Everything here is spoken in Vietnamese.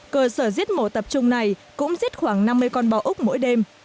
cơ sở giết mổ tập trung này cũng giết khoảng năm mươi con bò úc mỗi đêm